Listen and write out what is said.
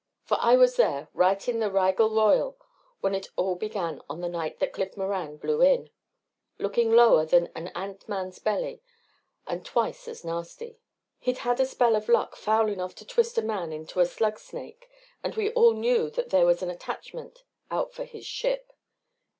For I was there, right in the Rigel Royal, when it all began on the night that Cliff Moran blew in, looking lower than an antman's belly and twice as nasty. He'd had a spell of luck foul enough to twist a man into a slug snake and we all knew that there was an attachment out for his ship.